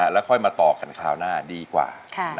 แล้วค่อยมาต่อกันคราวหน้าดีกว่า